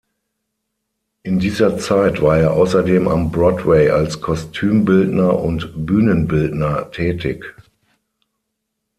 In dieser Zeit war er außerdem am Broadway als Kostümbildner und Bühnenbildner tätig.